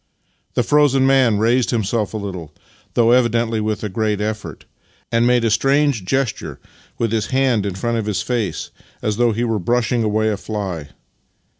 The frozen man raised himself a little — though evidently with a great effort — and made a strange gesture with his hand in front of his face, as though he were brushing away a fly.